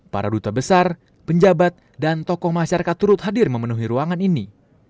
para duta besar penjabat dan tokoh masyarakat turut hadir memenuhi ruangan ini